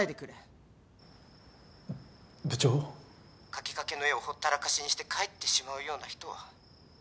描きかけの絵をほったらかしにして帰ってしまうような人は。